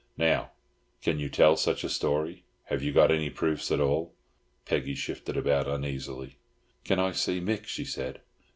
Now, can you tell such a story? Have you got any proofs at all?" Peggy shifted about uneasily. "Can I see Mick?" she said.